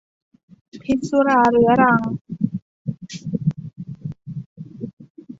พิษสุราเรื้อรัง